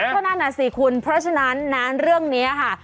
เพราะนั้นน่ะสิคุณเพราะฉะนั้นนั้นเรื่องนี้ค่ะ